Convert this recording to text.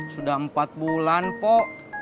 sudah empat bulan pok